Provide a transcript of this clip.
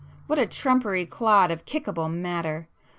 What a trumpery clod of kickable matter!